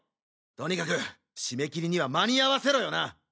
とにかく締め切りには間に合わせろよな。